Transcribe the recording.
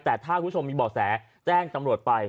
แต่ถ้าคุณผู้ชมมีบ่อแสแจ้งตำรวจไป